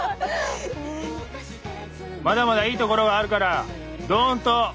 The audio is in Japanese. まだまだいいところはあるからドーンと。